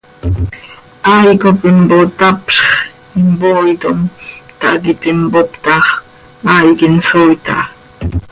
Hai cop impotapzx, impooitom, tahac iti mpoop ta x, hai quih insooit aha.